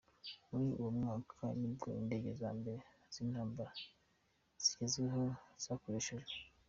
Muri uwo mwaka nibwo indege za mbere z’intambara zigezweho zakoreshejwe.